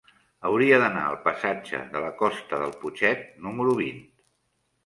Hauria d'anar al passatge de la Costa del Putxet número vint.